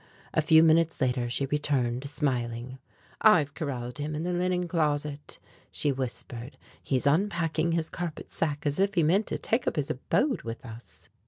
A few minutes later she returned, smiling: "I've corralled him in the linen closet," she whispered; "he is unpacking his carpet sack as if he meant to take up his abode with us."